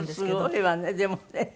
すごいわねでもね。